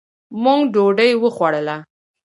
مونږ ډوډي وخوړله